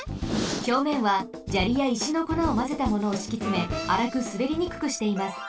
ひょうめんはじゃりやいしのこなをまぜたものをしきつめあらくすべりにくくしています。